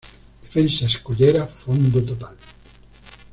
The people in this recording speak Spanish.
Defensa escollera fondo total.